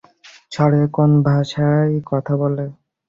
স্বর্গে কোন ভাষায় কথা বলে?